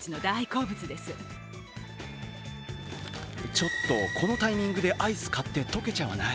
ちょっと、このタイミングでアイスを買って溶けちゃわない？